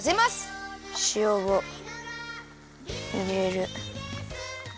しおをいれる。